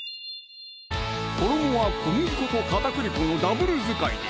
衣は小麦粉と片栗粉のダブル使いで！